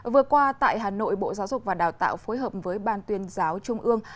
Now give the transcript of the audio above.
vừa qua tại hà nội bộ giáo dục và đào tạo phối hợp với ban tuyên giáo trung ương